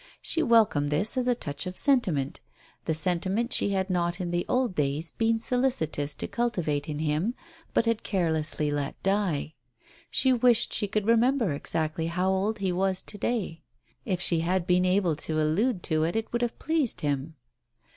She welcomed this as a touch of sentiment — the sentiment she had not in the old days been solicitous to cultivate in him, but had carelessly let die. She wished she could remember exactly how old he was to day ? If she had been able to allude to it it would have pleased him.